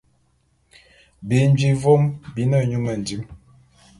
Bi nji vôm bi ne nyu mendim.